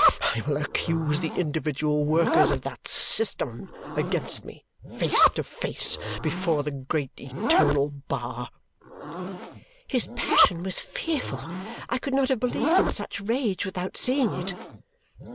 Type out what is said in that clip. I will accuse the individual workers of that system against me, face to face, before the great eternal bar!" His passion was fearful. I could not have believed in such rage without seeing it.